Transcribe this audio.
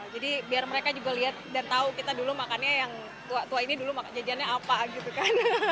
jadi biar mereka juga lihat dan tahu kita dulu makannya yang tua tua ini dulu makannya jajannya apa gitu kan